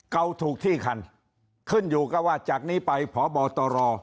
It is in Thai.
เขาถูกละเมิดเขาเสียหาย